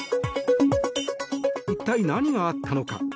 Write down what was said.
一体何があったのか。